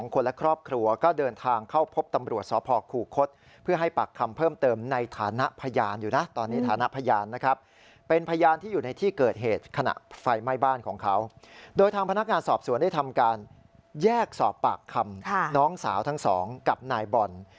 การแยกสอบปากคำน้องสาวทั้งสองกับนายบ่อน